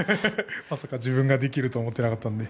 まさか自分ができると思っていなかったので。